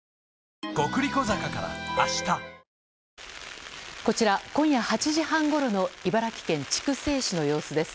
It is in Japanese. わかるぞこちら、今夜８時半ごろの茨城県筑西市の様子です。